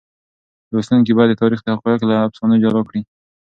لوستونکي باید د تاریخ حقایق له افسانو جلا کړي.